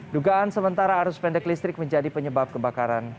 dugaan sementara arus pendek listrik menjadi penyebab kebakaran